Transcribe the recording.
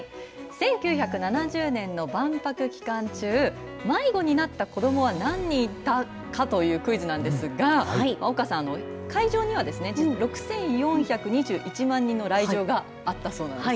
１９７０年の万博期間中迷子になった子どもは何人いたかというクイズなんですが丘さん会場にはですね６４２１万人の来場があったそうです。